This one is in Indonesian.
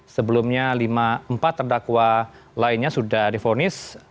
sebelumnya empat terdakwa lainnya sudah difonis